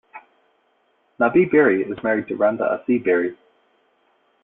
Nabih Berri is married to Randa Assi Berri.